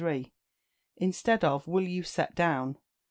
Instead of "Will you set down?"